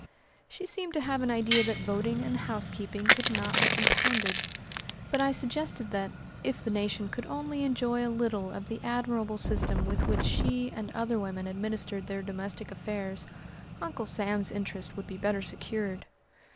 She seemed to have an idea that voting and housekeeping could not be compounded; but I suggested that, if the nation could only enjoy a little of the admirable system with which she and other women administered their domestic affairs, Uncle Sam's interests would be better secured.